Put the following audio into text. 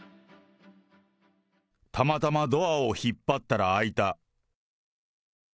たまたまドアを引っ張ったら開いた。